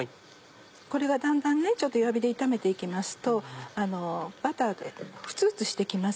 これがだんだんちょっと弱火で炒めて行きますとバターフツフツして来ます。